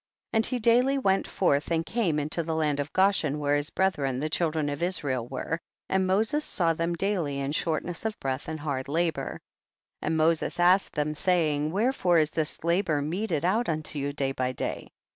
34. And he daily went forth and came into the land of Goshen, where 218 THE BOOK OF .lASHER. his brethren the children of Israel were, and Moses saw them daily in shortness of breath and hard labor. 35. And Moses asked them, say ing, wherefore is this labor meted out unto you day by day